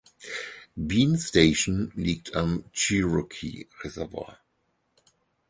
Bean Station liegt am Cherokee Reservoir.